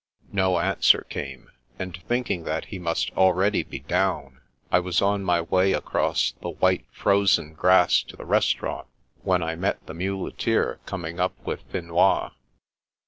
No answer came, and thinking that he must already be down, I was on my way across the white, frozen grass to the restaurant, when I met the muleteer coming up with Finois.